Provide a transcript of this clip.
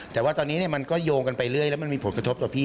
แต่ว่าตอนนี้มันก็โยงกันไปเรื่อยแล้วมันมีผลกระทบต่อพี่